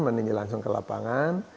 meninjil langsung ke lapangan